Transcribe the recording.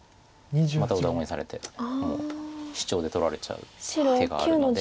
またお団子にされてもうシチョウで取られちゃう手があるので。